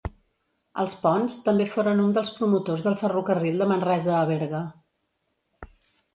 Els Pons també foren un dels promotors del ferrocarril de Manresa a Berga.